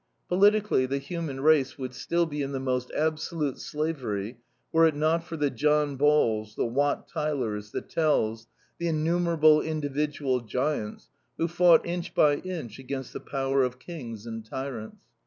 Politically the human race would still be in the most absolute slavery, were it not for the John Balls, the Wat Tylers, the Tells, the innumerable individual giants who fought inch by inch against the power of kings and tyrants.